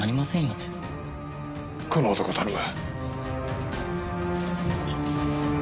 この男を頼む。